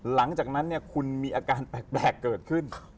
หลังจากนั้นคุณมีอาการแปลกเกิดขึ้น